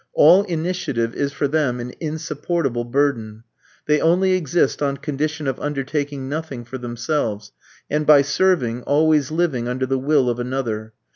All initiative is for them an insupportable burden. They only exist on condition of undertaking nothing for themselves, and by serving, always living under the will of another.